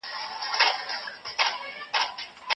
ميرمن قاضي ته کوم اسناد او شواهد وړاندي کوي؟